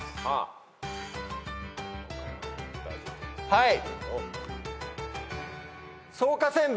はい。